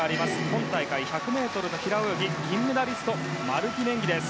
今大会１００ｍ平泳ぎ金メダリストのマルティネンギ。